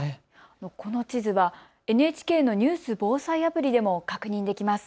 この地図はＮＨＫのニュース・防災アプリでも確認できます。